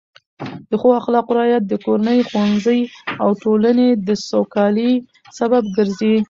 د ښو اخلاقو رعایت د کورنۍ، ښوونځي او ټولنې د سوکالۍ سبب ګرځي.